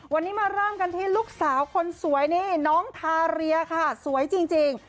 วันนี้มาเริ่มกันที่ลูกสาวคนสวยนี่น้องทาเรียค่ะสวยจริง